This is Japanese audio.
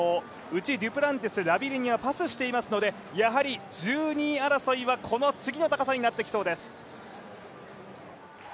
うちデュプランティス、ラビレニはパスしていますのでやはり１２位争いはこの次の高さになってきそうです。